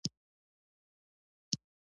پښتو بیلابیلي لهجې لري